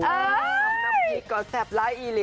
สำนักพริกก็แซ่บละอีลิ